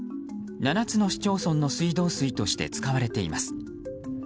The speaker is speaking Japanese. ７つの市町村の水道水として使われています。